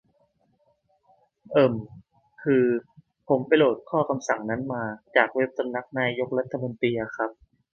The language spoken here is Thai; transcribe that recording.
เอิ่ม คือ ผมไปโหลดข้อคำสั่งนั้นมาจากเว็บสำนักนายกรัฐมนตรีอะครับ